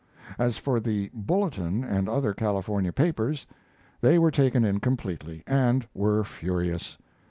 As for the Bulletin and other California papers, they were taken in completely, and were furious.